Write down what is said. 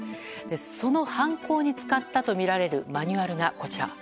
その犯行に使ったとみられるマニュアルがこちら。